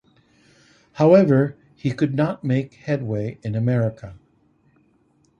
However he could not make headway in America.